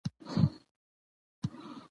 کورنۍ د ګډو خوړو له لارې خپل تړاو ټینګوي